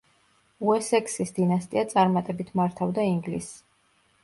უესექსის დინასტია წარმატებით მართავდა ინგლისს.